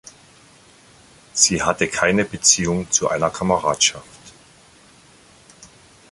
Sie hatte keine Beziehung zu einer Kameradschaft.